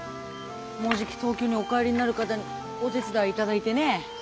もうじき東京にお帰りになる方にお手伝いいただいてねえ。